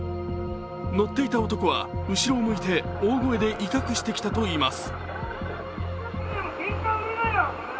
乗っていた男は後ろを向いて大声で威嚇してきたといいます。